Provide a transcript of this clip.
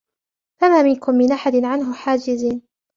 فَمَا مِنكُم مِّنْ أَحَدٍ عَنْهُ حَاجِزِينَ